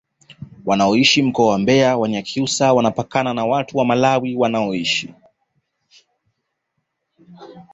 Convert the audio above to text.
wanaoishi mkoa wa mbeya wanyakyusa wanapakana na watu wa malawi wanaoishi